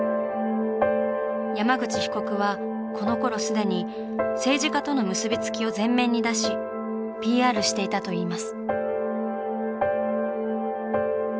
山口被告はこのころ既に政治家との結び付きを前面に出しＰＲしていたといいます。